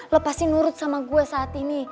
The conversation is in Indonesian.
lo pasti nurut sama gue saat ini